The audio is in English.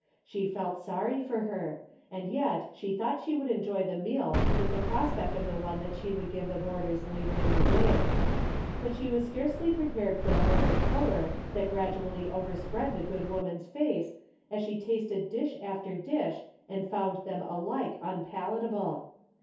She felt sorry for her, and yet she thought she would enjoy the meal with the prospect of the one she would give the board ers later in the day. But she was scarcely 132 A DAILY BATE. prepared for the look of horror that gradually overspread the good woman's face, as she tasted dish after dish and found them alike unpalatable.